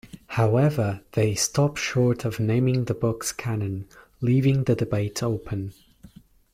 However, they stop short of naming the books canon, leaving the debate open.